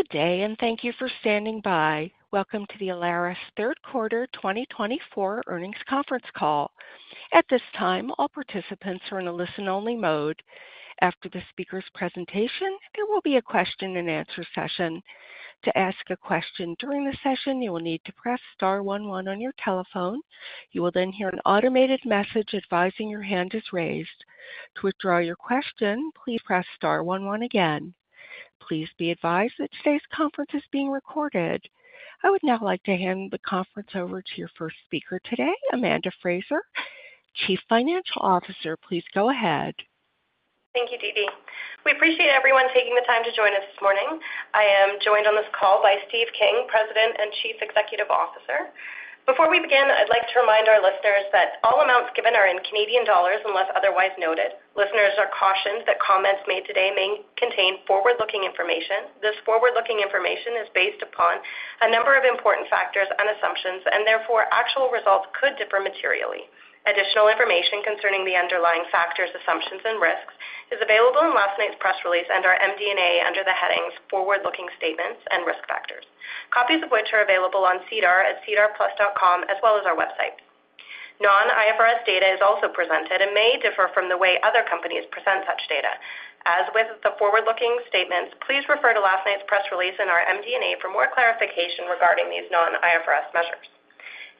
Good day, and thank you for standing by. Welcome to the Alaris Third Quarter 2024 Earnings Conference Call. At this time, all participants are in a listen-only mode. After the speaker's presentation, there will be a question-and-answer session. To ask a question during the session, you will need to press star 11 on your telephone. You will then hear an automated message advising your hand is raised. To withdraw your question, please press star 11 again. Please be advised that today's conference is being recorded. I would now like to hand the conference over to your first speaker today, Amanda Frazer, Chief Financial Officer. Please go ahead. Thank you, Dee Dee. We appreciate everyone taking the time to join us this morning. I am joined on this call by Steve King, President and Chief Executive Officer. Before we begin, I'd like to remind our listeners that all amounts given are in Canadian dollars unless otherwise noted. Listeners are cautioned that comments made today may contain forward-looking information. This forward-looking information is based upon a number of important factors and assumptions, and therefore actual results could differ materially. Additional information concerning the underlying factors, assumptions, and risks is available in last night's press release under MD&A under the headings Forward-Looking Statements and Risk Factors, copies of which are available on SEDAR+ at sedarplus.ca as well as our website. Non-IFRS data is also presented and may differ from the way other companies present such data. As with the forward-looking statements, please refer to last night's press release and our MD&A for more clarification regarding these non-IFRS measures.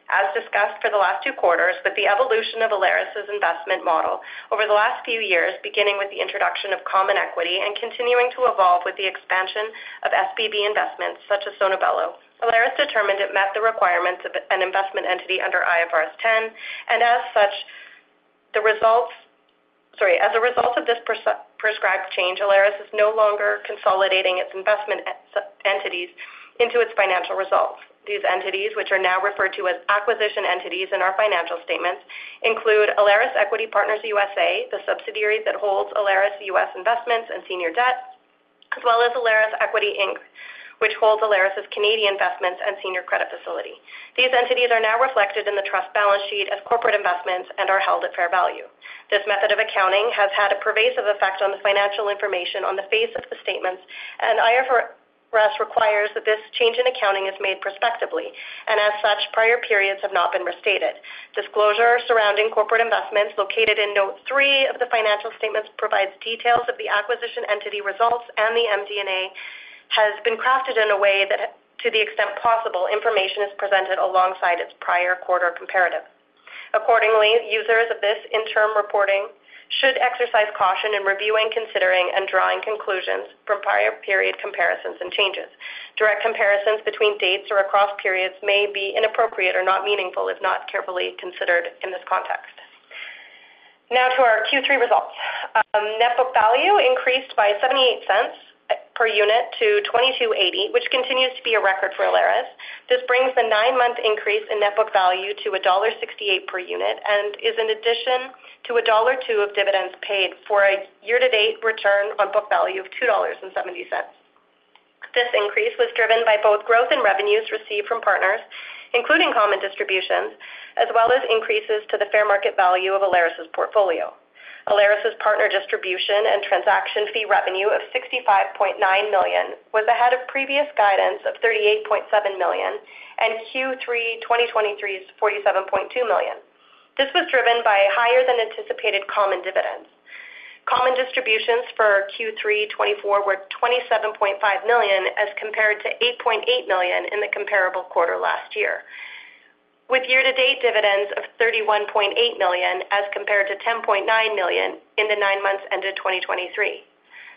As discussed for the last two quarters, with the evolution of Alaris's investment model over the last few years, beginning with the introduction of common equity and continuing to evolve with the expansion of SPV investments such as Sono Bello, Alaris determined it met the requirements of an investment entity under IFRS 10, and as such, the results, sorry, as a result of this prescribed change, Alaris is no longer consolidating its investment entities into its financial results. These entities, which are now referred to as acquisition entities in our financial statements, include Alaris Equity Partners USA, the subsidiary that holds Alaris US investments and senior debt, as well as Alaris Equity Inc., which holds Alaris's Canadian investments and senior credit facility. These entities are now reflected in the trust balance sheet as corporate investments and are held at fair value. This method of accounting has had a pervasive effect on the financial information on the face of the statements, and IFRS requires that this change in accounting is made prospectively, and as such, prior periods have not been restated. Disclosure surrounding corporate investments located in note three of the financial statements provides details of the acquisition entity results, and the MD&A has been crafted in a way that, to the extent possible, information is presented alongside its prior quarter comparative. Accordingly, users of this interim reporting should exercise caution in reviewing, considering, and drawing conclusions from prior period comparisons and changes. Direct comparisons between dates or across periods may be inappropriate or not meaningful if not carefully considered in this context. Now to our Q3 results. book value increased by 0.78 per unit to 22.80, which continues to be a record for Alaris. This brings the nine-month increase in net book value to dollar 1.68 per unit and is in addition to dollar 1.02 of dividends paid for a year-to-date return on book value of 2.70 dollars. This increase was driven by both growth and revenues received from partners, including common distributions, as well as increases to the fair market value of Alaris's portfolio. Alaris's partner distribution and transaction fee revenue of 65.9 million was ahead of previous guidance of 38.7 million and Q3 2023's 47.2 million. This was driven by higher-than-anticipated common dividends. Common distributions for Q3 2024 were CAD 27.5 million as compared to CAD 8.8 million in the comparable quarter last year, with year-to-date dividends of CAD 31.8 million as compared to CAD 10.9 million in the nine months ended 2023.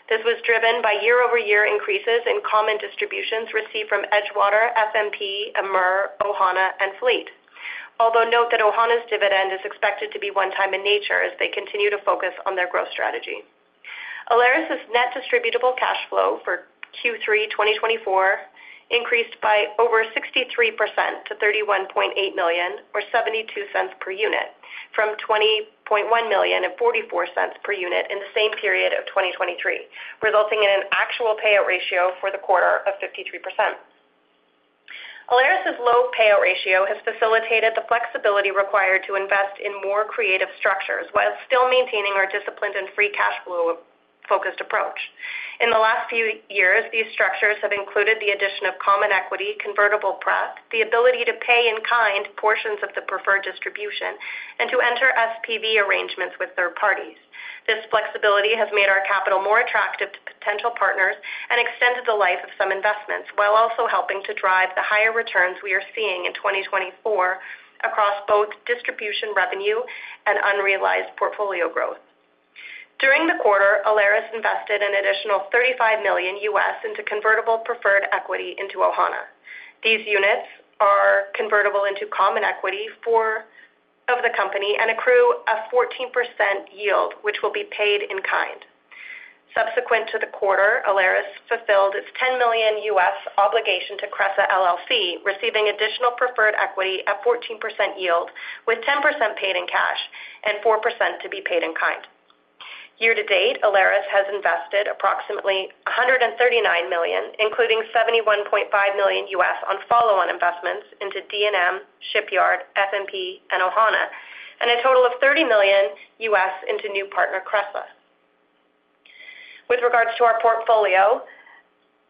This was driven by year-over-year increases in common distributions received from Edgewater, SMP, Amur, Ohana, and Fleet. Although note that Ohana's dividend is expected to be one-time in nature as they continue to focus on their growth strategy. Alaris's net distributable cash flow for Q3 2024 increased by over 63% to 31.8 million, or 0.72 per unit, from 20.1 million and 0.44 per unit in the same period of 2023, resulting in an actual payout ratio for the quarter of 53%. Alaris's low payout ratio has facilitated the flexibility required to invest in more creative structures while still maintaining our disciplined and free cash flow-focused approach. In the last few years, these structures have included the addition of common equity, convertible preferred, the ability to pay in kind portions of the preferred distribution, and to enter SPV arrangements with third parties. This flexibility has made our capital more attractive to potential partners and extended the life of some investments, while also helping to drive the higher returns we are seeing in 2024 across both distribution revenue and unrealized portfolio growth. During the quarter, Alaris invested an additional 35 million into convertible preferred equity into Ohana. These units are convertible into common equity for the company and accrue a 14% yield, which will be paid in kind. Subsequent to the quarter, Alaris fulfilled its CAD 10 million obligation to Cresa LLC, receiving additional preferred equity at 14% yield, with 10% paid in cash and 4% to be paid in kind. Year-to-date, Alaris has invested approximately 139 million, including CAD 71.5 million on follow-on investments into D&M, Shipyard, SMP, and Ohana, and a total of 30 million into new partner Cresa. With regards to our portfolio,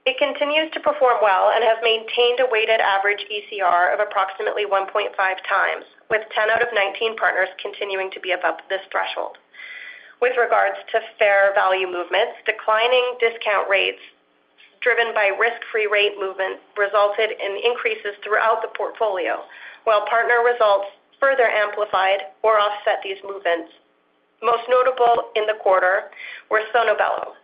it continues to perform well and has maintained a weighted average ECR of approximately 1.5 times, with 10 out of 19 partners continuing to be above this threshold. With regards to fair value movements, declining discount rates driven by risk-free rate movement resulted in increases throughout the portfolio, while partner results further amplified or offset these movements. Most notable in the quarter were Sono Bello.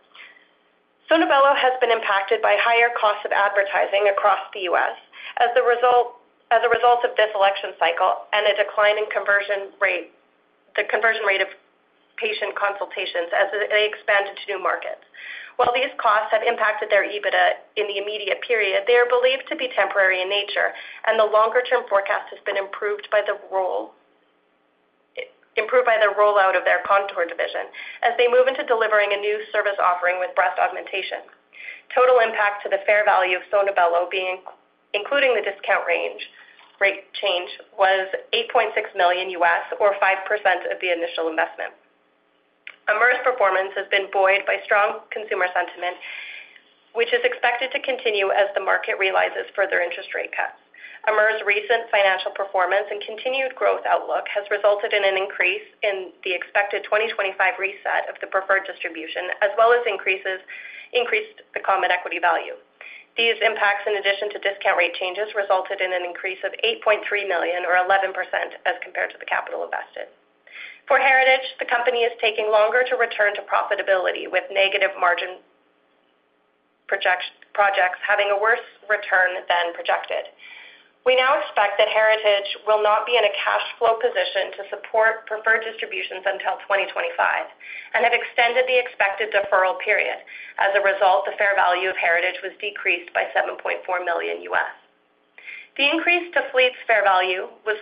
Sono Bello has been impacted by higher costs of advertising across the U.S. as a result of this election cycle and a decline in conversion rate, the conversion rate of patient consultations as they expanded to new markets. While these costs have impacted their EBITDA in the immediate period, they are believed to be temporary in nature, and the longer-term forecast has been improved by the rollout of their Contour division as they move into delivering a new service offering with breast augmentation. Total impact to the fair value of Sono Bello, including the discount rate change, was $8.6 million USD, or 5% of the initial investment. Amur's performance has been buoyed by strong consumer sentiment, which is expected to continue as the market realizes further interest rate cuts. Amur's recent financial performance and continued growth outlook has resulted in an increase in the expected 2025 reset of the preferred distribution, as well as increases the common equity value. These impacts, in addition to discount rate changes, resulted in an increase of $8.3 million USD, or 11% as compared to the capital invested. For Heritage, the company is taking longer to return to profitability, with negative margin projects having a worse return than projected. We now expect that Heritage will not be in a cash flow position to support preferred distributions until 2025 and have extended the expected deferral period. As a result, the fair value of Heritage was decreased by $7.4 million US. The increase to Fleet's fair value was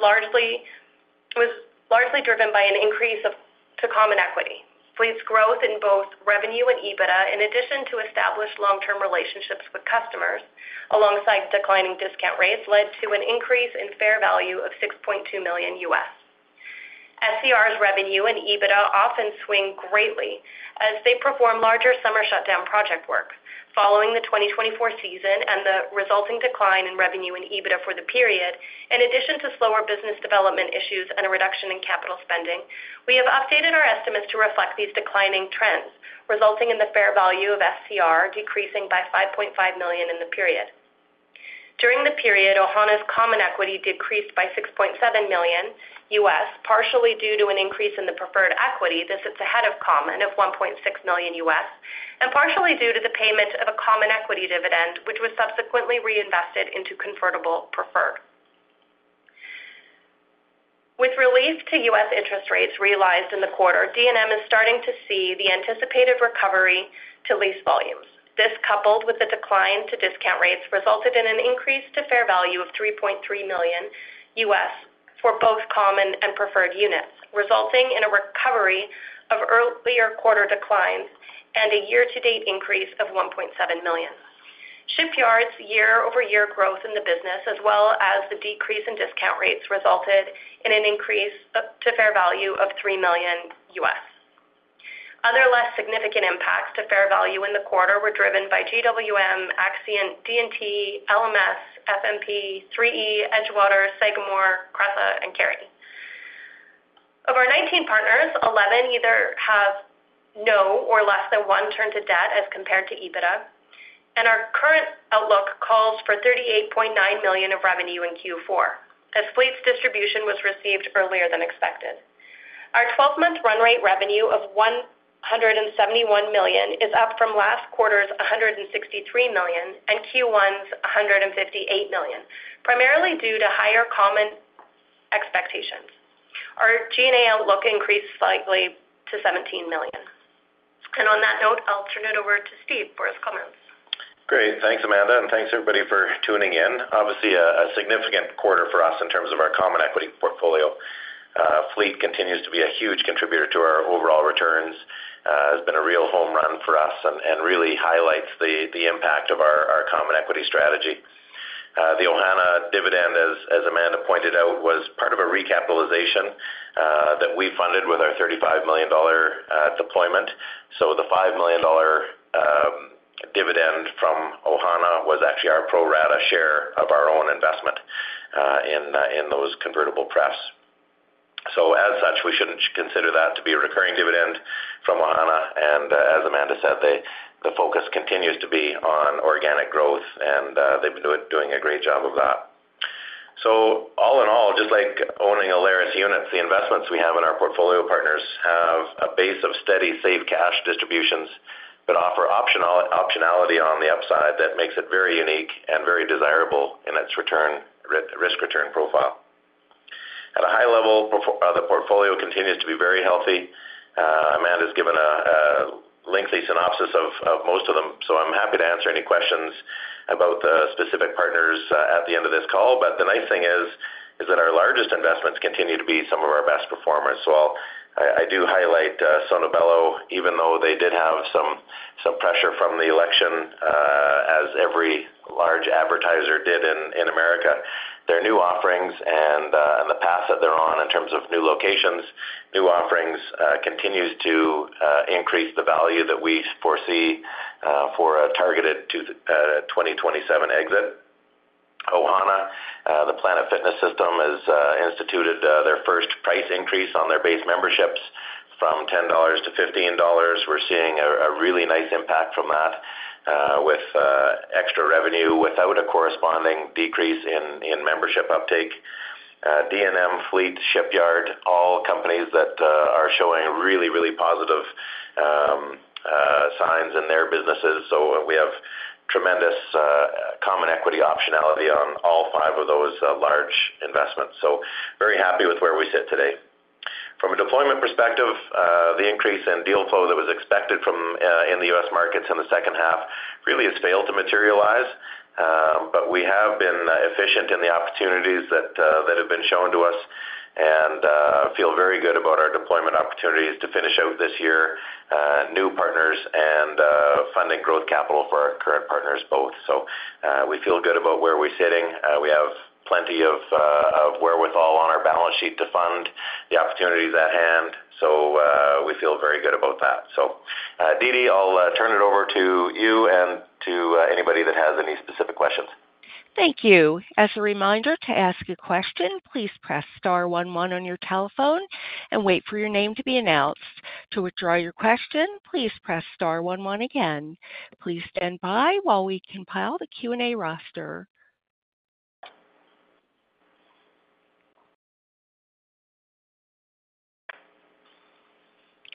largely driven by an increase to common equity. Fleet's growth in both revenue and EBITDA, in addition to established long-term relationships with customers alongside declining discount rates, led to an increase in fair value of $6.2 million US. SCR's revenue and EBITDA often swing greatly as they perform larger summer shutdown project work. Following the 2024 season and the resulting decline in revenue and EBITDA for the period, in addition to slower business development issues and a reduction in capital spending, we have updated our estimates to reflect these declining trends, resulting in the fair value of SCR decreasing by 5.5 million in the period. During the period, Ohana's common equity decreased by $6.7 million USD, partially due to an increase in the preferred equity that sits ahead of common of $1.6 million USD, and partially due to the payment of a common equity dividend, which was subsequently reinvested into convertible preferred. With relief to US interest rates realized in the quarter, D&M is starting to see the anticipated recovery to lease volumes. This, coupled with the decline to discount rates, resulted in an increase to fair value of $3.3 million for both common and preferred units, resulting in a recovery of earlier quarter declines and a year-to-date increase of $1.7 million. Shipyard's year-over-year growth in the business, as well as the decrease in discount rates, resulted in an increase to fair value of $3 million. Other less significant impacts to fair value in the quarter were driven by GWM, Axient, D&T, LMS, SMP, 3E, Edgewater, Sagamore, Cresa, and Carey. Of our 19 partners, 11 either have no or less than one turn to debt as compared to EBITDA, and our current outlook calls for $38.9 million of revenue in Q4, as Fleet's distribution was received earlier than expected. Our 12-month run rate revenue of 171 million is up from last quarter's 163 million and Q1's 158 million, primarily due to higher common expectations. Our G&A outlook increased slightly to 17 million. And on that note, I'll turn it over to Steve for his comments. Great. Thanks, Amanda, and thanks to everybody for tuning in. Obviously, a significant quarter for us in terms of our common equity portfolio. Fleet continues to be a huge contributor to our overall returns. It's been a real home run for us and really highlights the impact of our common equity strategy. The Ohana dividend, as Amanda pointed out, was part of a recapitalization that we funded with our $35 million deployment. So the $5 million dividend from Ohana was actually our pro rata share of our own investment in those convertible prefs. So as such, we shouldn't consider that to be a recurring dividend from Ohana. And as Amanda said, the focus continues to be on organic growth, and they've been doing a great job of that. So all in all, just like owning Alaris units, the investments we have in our portfolio partners have a base of steady safe cash distributions that offer optionality on the upside that makes it very unique and very desirable in its risk return profile. At a high level, the portfolio continues to be very healthy. Amanda has given a lengthy synopsis of most of them, so I'm happy to answer any questions about the specific partners at the end of this call. But the nice thing is that our largest investments continue to be some of our best performers. So I do highlight Sono Bello, even though they did have some pressure from the election, as every large advertiser did in America. Their new offerings and the path that they're on in terms of new locations, new offerings continue to increase the value that we foresee for a targeted 2027 exit. Ohana, the Planet Fitness System, has instituted their first price increase on their base memberships from $10 to $15. We're seeing a really nice impact from that with extra revenue without a corresponding decrease in membership uptake. D&M, Fleet, Shipyard, all companies that are showing really, really positive signs in their businesses. So we have tremendous common equity optionality on all five of those large investments. So very happy with where we sit today. From a deployment perspective, the increase in deal flow that was expected in the U.S. markets in the second half really has failed to materialize. But we have been efficient in the opportunities that have been shown to us and feel very good about our deployment opportunities to finish out this year, new partners, and funding growth capital for our current partners both. So we feel good about where we're sitting. We have plenty of wherewithal on our balance sheet to fund the opportunities at hand. So we feel very good about that. So Dee Dee, I'll turn it over to you and to anybody that has any specific questions. Thank you. As a reminder to ask a question, please press star 11 on your telephone and wait for your name to be announced. To withdraw your question, please press star 11 again. Please stand by while we compile the Q&A roster.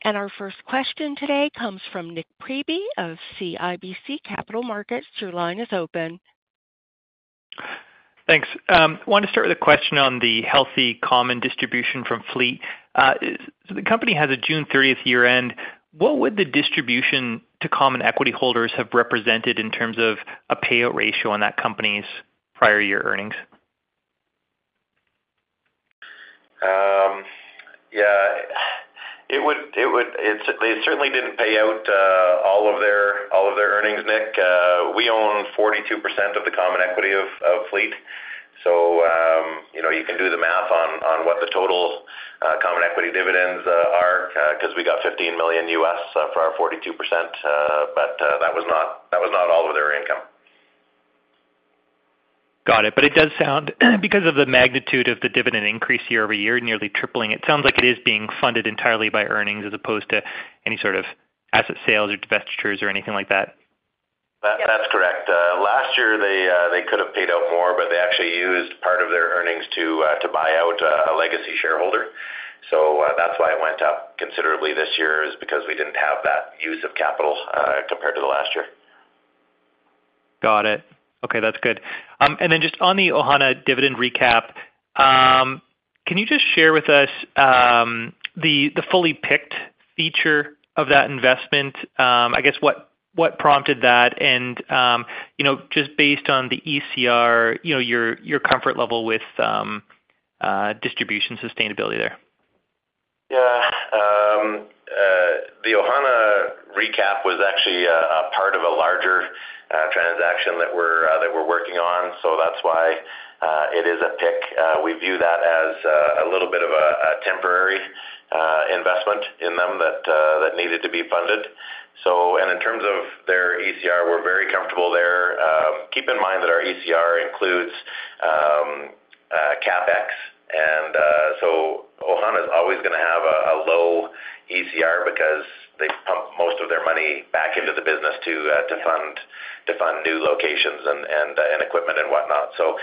And our first question today comes from Nick Priebe of CIBC Capital Markets. Your line is open. Thanks. I wanted to start with a question on the healthy common distribution from Fleet. The company has a June 30th year-end. What would the distribution to common equity holders have represented in terms of a payout ratio on that company's prior year earnings? Yeah. It certainly didn't pay out all of their earnings, Nick. We own 42% of the common equity of Fleet. So you can do the math on what the total common equity dividends are because we got $15 million USD for our 42%. But that was not all of their income. Got it. But it does sound, because of the magnitude of the dividend increase year over year, nearly tripling, it sounds like it is being funded entirely by earnings as opposed to any sort of asset sales or divestitures or anything like that. That's correct. Last year, they could have paid out more, but they actually used part of their earnings to buy out a legacy shareholder. So that's why it went up considerably this year, is because we didn't have that use of capital compared to the last year. Got it. Okay. That's good. And then just on the Ohana dividend recap, can you just share with us the fully PIK'd feature of that investment? I guess what prompted that? And just based on the ECR, your comfort level with distribution sustainability there? Yeah. The Ohana recap was actually a part of a larger transaction that we're working on. So that's why it is a PIK. We view that as a little bit of a temporary investment in them that needed to be funded. And in terms of their ECR, we're very comfortable there. Keep in mind that our ECR includes CapEx. And so Ohana is always going to have a low ECR because they pump most of their money back into the business to fund new locations and equipment and whatnot. So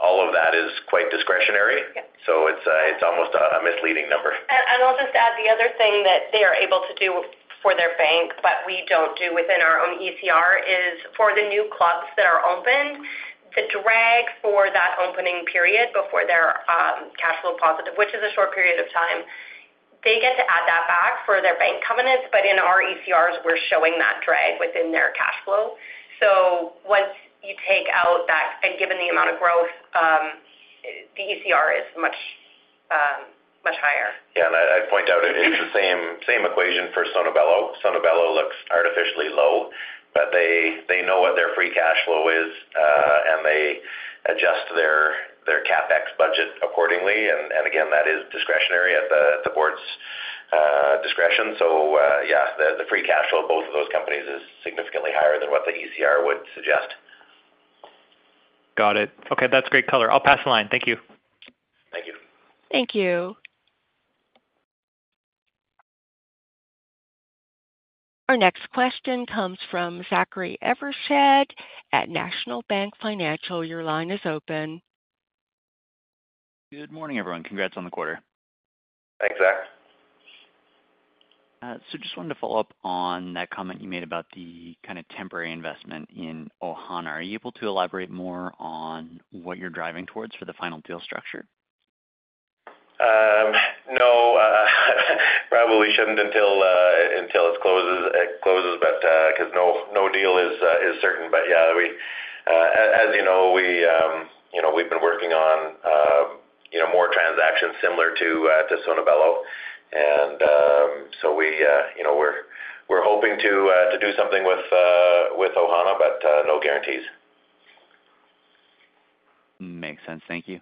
all of that is quite discretionary. So it's almost a misleading number. And I'll just add the other thing that they are able to do for their bank, but we don't do within our own ECR, is for the new clubs that are opened, the drag for that opening period before they're cash flow positive, which is a short period of time, they get to add that back for their bank covenants. But in our ECRs, we're showing that drag within their cash flow. So once you take out that and given the amount of growth, the ECR is much higher. Yeah, and I'd point out it's the same equation for Sono Bello. Sono Bello looks artificially low, but they know what their free cash flow is, and they adjust their CapEx budget accordingly. And again, that is discretionary at the board's discretion, so yeah, the free cash flow of both of those companies is significantly higher than what the ECR would suggest. Got it. Okay. That's great color. I'll pass the line. Thank you. Thank you. Thank you. Our next question comes from Zachary Evershed at National Bank Financial. Your line is open. Good morning, everyone. Congrats on the quarter. Thanks, Zach. So just wanted to follow up on that comment you made about the kind of temporary investment in Ohana. Are you able to elaborate more on what you're driving towards for the final deal structure? No. Probably shouldn't until it closes, but because no deal is certain. But yeah, as you know, we've been working on more transactions similar to Sono Bello. And so we're hoping to do something with Ohana, but no guarantees. Makes sense. Thank you.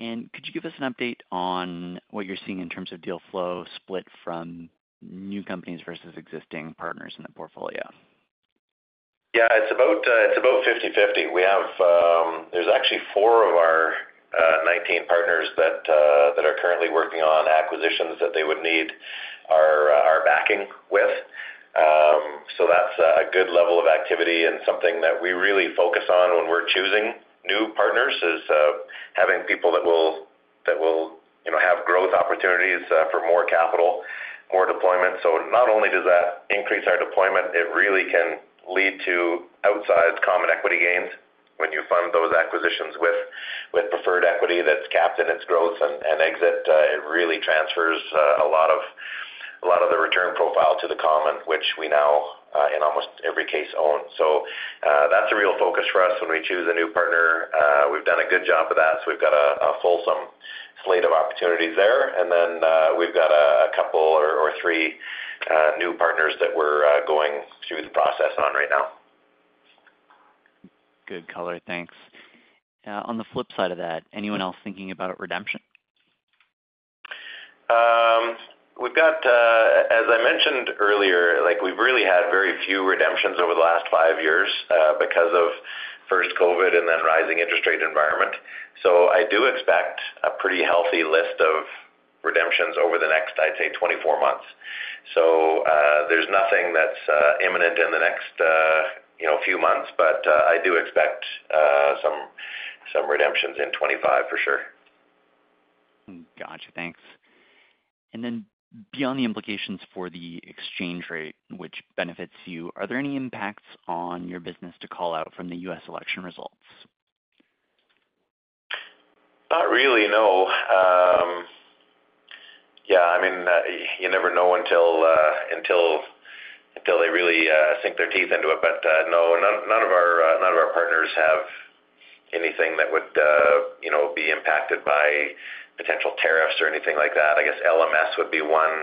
And could you give us an update on what you're seeing in terms of deal flow split from new companies versus existing partners in the portfolio? Yeah. It's about 50/50. There's actually four of our 19 partners that are currently working on acquisitions that they would need our backing with. So that's a good level of activity, and something that we really focus on when we're choosing new partners is having people that will have growth opportunities for more capital, more deployment. So not only does that increase our deployment, it really can lead to outsized common equity gains when you fund those acquisitions with preferred equity that's capped in its growth and exit. It really transfers a lot of the return profile to the common, which we now, in almost every case, own. So that's a real focus for us when we choose a new partner. We've done a good job of that, so we've got a fulsome slate of opportunities there. We've got a couple or three new partners that we're going through the process on right now. Good color. Thanks. On the flip side of that, anyone else thinking about redemption? As I mentioned earlier, we've really had very few redemptions over the last five years because of first COVID and then rising interest rate environment. So I do expect a pretty healthy list of redemptions over the next, I'd say, 24 months. So there's nothing that's imminent in the next few months, but I do expect some redemptions in 2025 for sure. Gotcha. Thanks. And then beyond the implications for the exchange rate, which benefits you, are there any impacts on your business to call out from the U.S. election results? Not really, no. Yeah. I mean, you never know until they really sink their teeth into it. But no, none of our partners have anything that would be impacted by potential tariffs or anything like that. I guess LMS would be one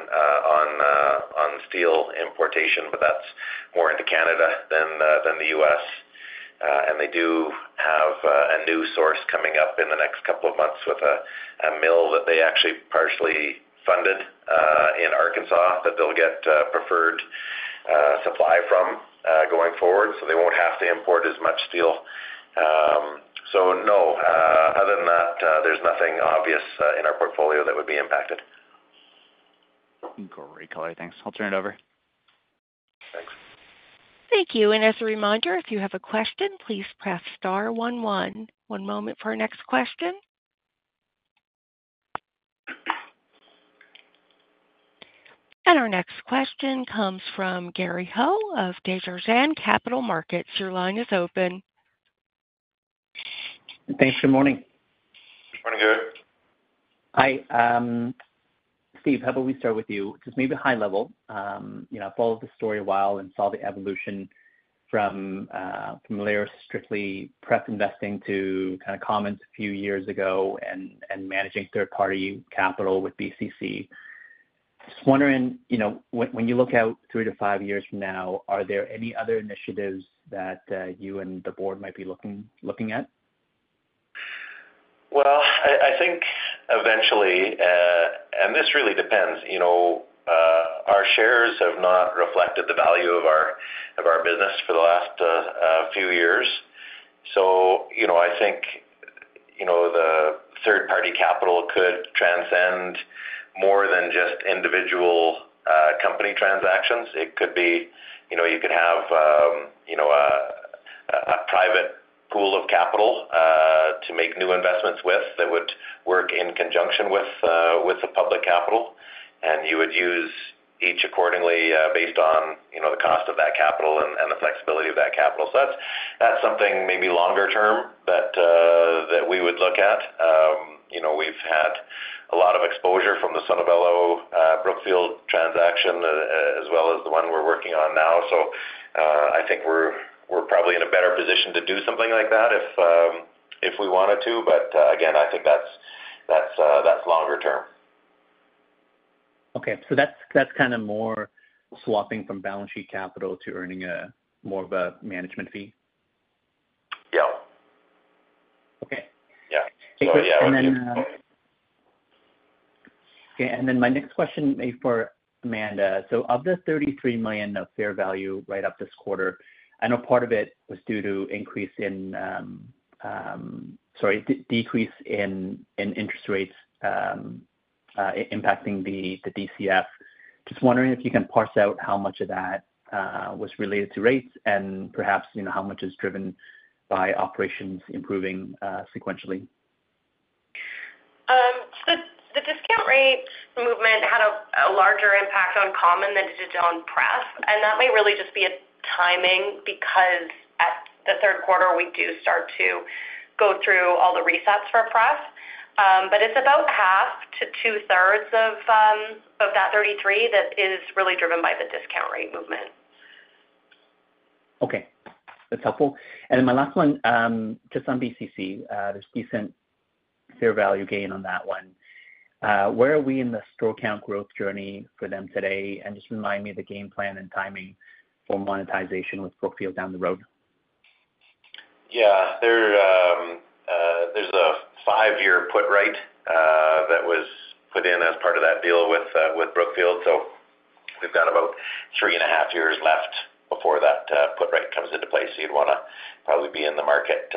on steel importation, but that's more into Canada than the US. And they do have a new source coming up in the next couple of months with a mill that they actually partially funded in Arkansas that they'll get preferred supply from going forward. So they won't have to import as much steel. So no, other than that, there's nothing obvious in our portfolio that would be impacted. Great color. Thanks. I'll turn it over. Thanks. Thank you. And as a reminder, if you have a question, please press star 11. One moment for our next question. And our next question comes from Gary Ho of Desjardins Capital Markets. Your line is open. Thanks. Good morning. Good morning, Gary. Hi. Steve, how about we start with you? Just maybe high level. I've followed the story a while and saw the evolution from Alaris strictly PE investing to kind of commitments a few years ago and managing third-party capital with BCC. Just wondering, when you look out three to five years from now, are there any other initiatives that you and the board might be looking at? I think eventually, and this really depends, our shares have not reflected the value of our business for the last few years. So I think the third-party capital could transcend more than just individual company transactions. It could be you could have a private pool of capital to make new investments with that would work in conjunction with the public capital. And you would use each accordingly based on the cost of that capital and the flexibility of that capital. So that's something maybe longer term that we would look at. We've had a lot of exposure from the Sono Bello Brookfield transaction as well as the one we're working on now. So I think we're probably in a better position to do something like that if we wanted to. But again, I think that's longer term. Okay. So that's kind of more swapping from balance sheet capital to earning more of a management fee? Yeah. Okay. Yeah. Yeah. I think so. Okay. And then my next question is for Amanda. So of the 33 million of fair value write-up this quarter, I know part of it was due to increase in sorry, decrease in interest rates impacting the DCF. Just wondering if you can parse out how much of that was related to rates and perhaps how much is driven by operations improving sequentially? The discount rate movement had a larger impact on common than it did on prep, and that may really just be a timing because at the third quarter, we do start to go through all the resets for prep, but it's about half to two-thirds of that 33 that is really driven by the discount rate movement. Okay. That's helpful. And then my last one, just on BCC, there's decent fair value gain on that one. Where are we in the store count growth journey for them today? And just remind me of the game plan and timing for monetization with Brookfield down the road. Yeah. There's a five-year put rate that was put in as part of that deal with Brookfield. So we've got about three and a half years left before that put rate comes into place. So you'd want to probably be in the market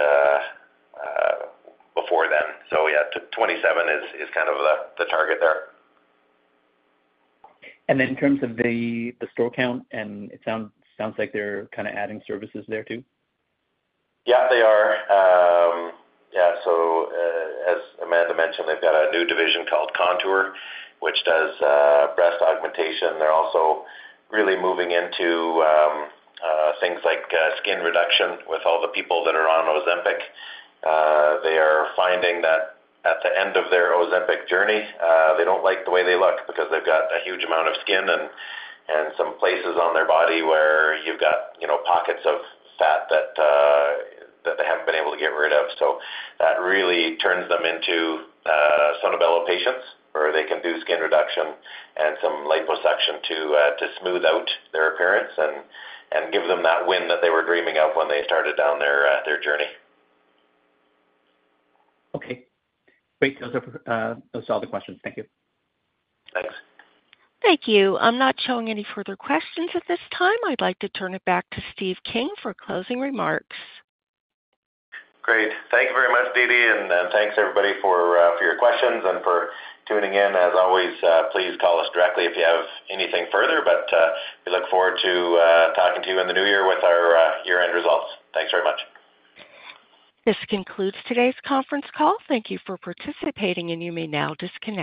before then. So yeah, 27 is kind of the target there. And then in terms of the store account, it sounds like they're kind of adding services there too. Yeah, they are. Yeah. So as Amanda mentioned, they've got a new division called Contour, which does breast augmentation. They're also really moving into things like skin reduction with all the people that are on Ozempic. They are finding that at the end of their Ozempic journey, they don't like the way they look because they've got a huge amount of skin and some places on their body where you've got pockets of fat that they haven't been able to get rid of. So that really turns them into Sono Bello patients where they can do skin reduction and some liposuction to smooth out their appearance and give them that win that they were dreaming of when they started down their journey. Okay. Great. Those are all the questions. Thank you. Thanks. Thank you. I'm not showing any further questions at this time. I'd like to turn it back to Steve King for closing remarks. Great. Thank you very much, Dee Dee. And thanks, everybody, for your questions and for tuning in. As always, please call us directly if you have anything further. But we look forward to talking to you in the new year with our year-end results. Thanks very much. This concludes today's conference call. Thank you for participating, and you may now disconnect.